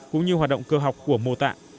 cũng như hoạt động cơ học của mô tạng